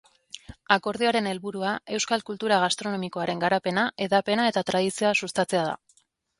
Akordioaren helburua euskal kultura gastronomikoaren garapena, hedapena eta tradizioa sustatzea da.